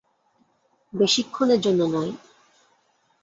বেশিক্ষণের জন্য নয়!